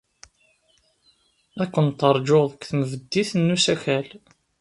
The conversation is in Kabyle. Ad kent-ṛjuɣ deg tenbeddit n usakal.